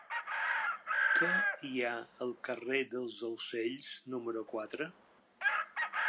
Què hi ha al carrer dels Ocells número quatre?